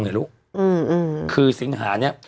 อย่าลุกคือสิงหานี้